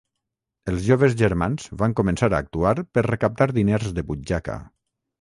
Els joves germans van començar a actuar per recaptar diners de butxaca.